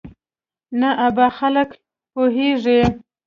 نه ابا خلک پوېېږي.